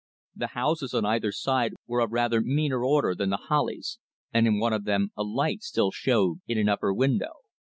The houses on either side were of rather meaner order than The Hollies, and in one of them a light still showed in an upper window.